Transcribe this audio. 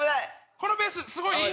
このペースすごいいい！